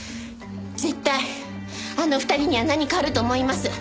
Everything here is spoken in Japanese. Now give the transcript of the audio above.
絶対あの２人には何かあると思います。